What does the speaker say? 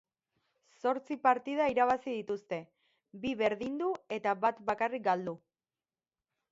Zortzi partida irabazi dituzte, bi berdindu eta bat bakarrik galdu.